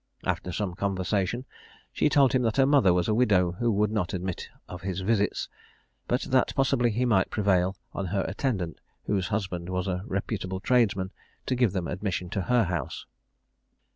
After some conversation, she told him that her mother was a widow who would not admit of his visits; but that possibly he might prevail on her attendant, whose husband was a reputable tradesman, to give them admission to her house.